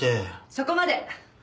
そこまで！